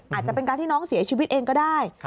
อาจจะเป็นการที่น้องเสียชีวิตเองก็ได้